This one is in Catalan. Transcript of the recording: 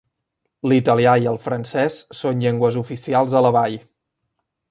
L'italià i el francès són llengües oficials a la vall.